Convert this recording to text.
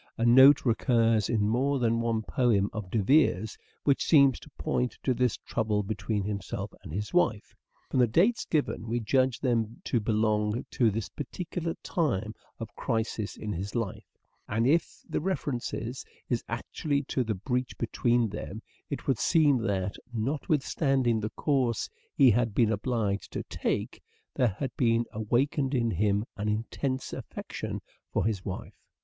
A note recurs in more than one 284 " SHAKESPEARE " IDENTIFIED Oxford's poem of De Vere's which seems to point to this trouble I0n8t between himself and his wife. From the dates given we judge them to belong to this particular time of crisis in his life ; and if the reference is actually to the breach between them, it would seem that, notwith standing the course he had been obliged to take, there had been awakened in him an intense affection for his wife.